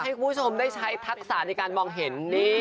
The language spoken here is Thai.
ให้คุณผู้ชมได้ใช้ทักษะในการมองเห็น